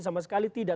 sama sekali tidak